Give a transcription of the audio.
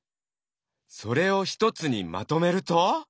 それを一つにまとめると？